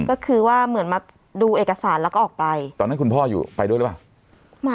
ก็คือว่าเหมือนมาดูเอกสารแล้วก็ออกไปตอนนั้นคุณพ่ออยู่ไปด้วยหรือเปล่า